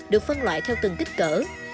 được phân loại theo từng tích cỡ